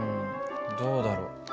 うんどうだろう？